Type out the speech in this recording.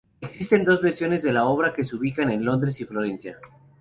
Existen dos versiones de la obra que se ubican en Londres y Florencia.